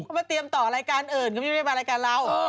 เขามาเตรียมต่อรายการอื่นก็ไม่ได้มารายการเรา